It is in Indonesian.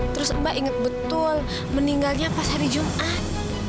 terus mbak inget betul meninggalnya pas hari jumat